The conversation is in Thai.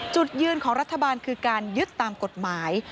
จุดยืนของรัฐบาลคือการยึดตามกฎหมาย